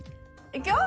いくよ！